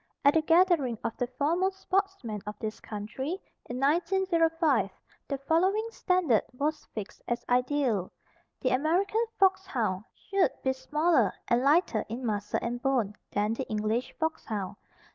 At a gathering of the foremost sportsmen of this country, in 1905, the following standard was fixed as ideal: The American foxhound should be smaller and lighter in muscle and bone, than the English foxhound.